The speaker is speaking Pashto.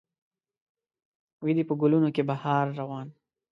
وي دې په ګلونو کې بهار روان